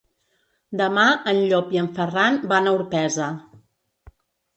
Demà en Llop i en Ferran van a Orpesa.